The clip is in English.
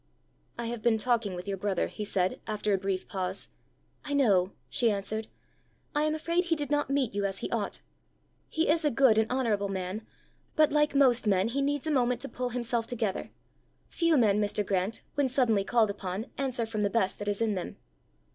"I have been talking with your brother," he said, after a brief pause. "I know," she answered. "I am afraid he did not meet you as he ought. He is a good and honourable man; but like most men he needs a moment to pull himself together. Few men, Mr. Grant, when suddenly called upon, answer from the best that is in them."